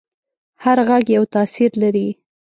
هر غږ یو تاثیر لري.